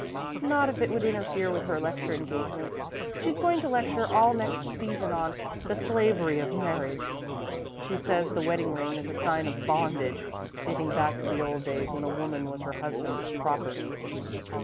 "Not if it would interfere with her lecture engagements. She's going to lecture all next season on 'The Slavery of Marriage.' She says the wedding ring is a sign of bondage, dating back to the old days when a woman was her husband's property."